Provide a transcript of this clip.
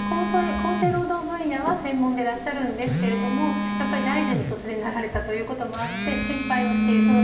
厚生労働分野は専門でいらっしゃるんですけれどもやっぱり大臣に突然なられたという事もあって心配をしている。